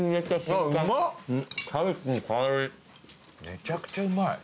めちゃくちゃうまい。